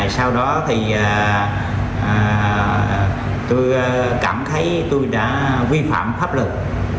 sau đó thì tôi cảm thấy tôi đã vi phạm pháp luật